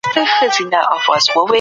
په ګډه د علمي پرمختګ لپاره کار وکړو.